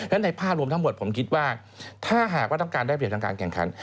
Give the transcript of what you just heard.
และในภาพรวมทั้งหมดผมคิดว่าถ้าหากว่าต้องการได้เปรียบทางการแข่งขัน